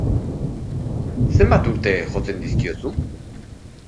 Zenbat urte jotzen dizkiozu?